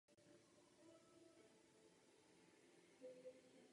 Toto rozhodnutí bylo mezi fanoušky vnímáno rozdílně.